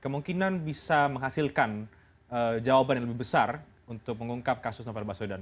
kemungkinan bisa menghasilkan jawaban yang lebih besar untuk mengungkap kasus novel baswedan